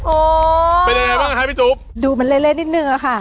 โอ้เป็นยังไงบ้างคะพี่จุ๊บดูมันเละเละนิดหนึ่งแล้วค่ะ